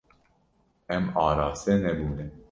Em araste nebûne.